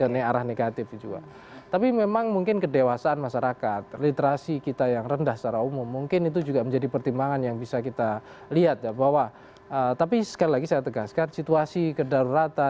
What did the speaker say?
karena arah negatif itu juga tapi memang mungkin kedewasaan masyarakat literasi kita yang rendah secara umum mungkin itu juga menjadi pertimbangan yang bisa kita lihat ya bahwa tapi sekali lagi saya tegaskan situasi kedaruratan situasi itu juga perlu di setara